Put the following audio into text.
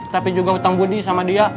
tapi juga hutang budi sama dia